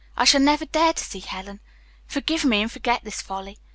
I shall never dare to see Helen. Forgive me, and forget this folly.